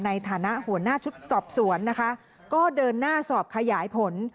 ในฐานะหัวหน้าชุดสอบสวนนะคะก็เดินหน้าสอบขยายผล